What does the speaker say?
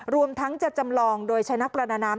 รวมทั้งจะจำลองโดยใช้นักประดาน้ำ